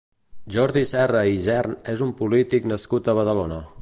Jordi Serra i Isern és un polític nascut a Badalona.